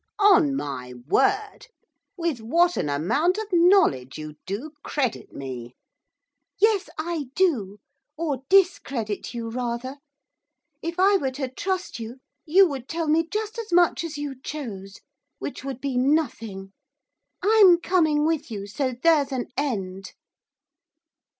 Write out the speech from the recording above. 'On my word! With what an amount of knowledge you do credit me.' 'Yes, I do, or discredit you, rather. If I were to trust you, you would tell me just as much as you chose, which would be nothing. I'm coming with you, so there's an end.